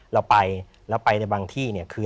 เราไปแล้วไปในบางที่เนี่ยคือ